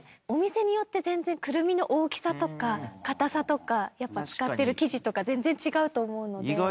お店によって全然くるみの大きさとか硬さとかやっぱ使ってる生地とか全然違うと思うので。